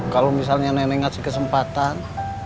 kalau misalnya nenek ngasih kesempatan